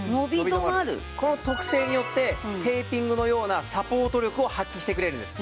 この特性によってテーピングのようなサポート力を発揮してくれるんです。